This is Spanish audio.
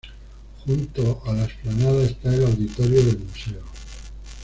Junto a la explanada está el auditorio del museo.